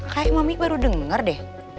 kak emang ini baru denger deh